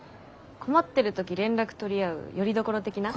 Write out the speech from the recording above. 困ってる時連絡取り合うよりどころ的な。